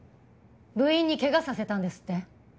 部員に怪我させたんですって？